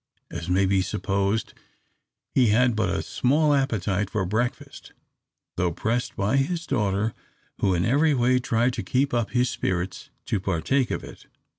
As may be supposed, he had but a small appetite for breakfast, though pressed by his daughter, who in every way tried to keep up his spirits, to partake of it.